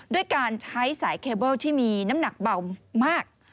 ด้วยการใช้สายเคเบิลที่มีน้ำหนักเบามาก